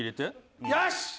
よし！